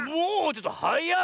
ちょっとはやっ！